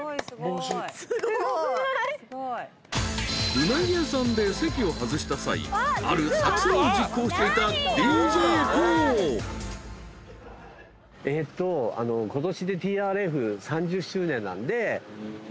［うなぎ屋さんで席を外した際ある作戦を実行していたＤＪＫＯＯ］やったんだ。